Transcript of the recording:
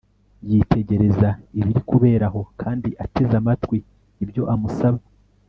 yitegereza ibiri kubera aho kandi ateze amatwi ibyo amusaba